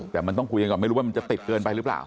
แต่มันต้องคุยกันก่อนไม่รู้ว่ามันจะติดเกินไปหรือเปล่า